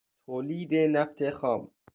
تولید نفت خام